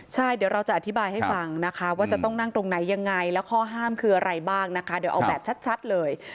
ใช่เดี๋ยวเราจะอธิบายให้ฟังนะคะว่าจะต้องนั่งตรงไหนยังไงแล้วข้อห้ามคืออะไรบ้างนะคะเดี๋ยวเอาแบบชัดเลย